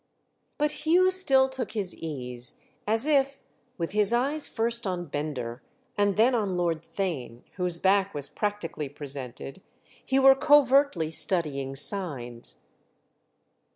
But Hugh still took his ease; as if, with his eyes first on Bender and then on Lord Theign, whose back was practically presented, he were covertly studying signs.